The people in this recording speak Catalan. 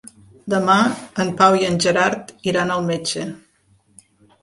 Demà en Pau i en Gerard iran al metge.